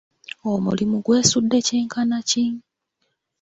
Omulimu gwesudde kyenkana ki?